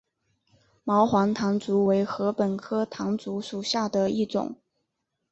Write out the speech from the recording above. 毛环唐竹为禾本科唐竹属下的一个种。